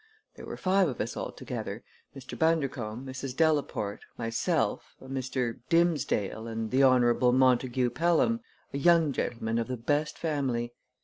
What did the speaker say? There were five of us altogether Mr. Bundercombe, Mrs. Delaporte, myself, a Mr. Dimsdale, and the Honorable Montague Pelham, a young gentleman of the best family.